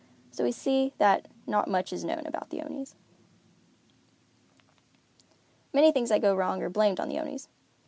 So we see that not much is known about the Onis. Many things that go wrong are blamed on the Onis.